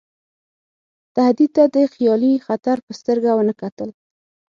تهدید ته د خیالي خطر په سترګه ونه کتل.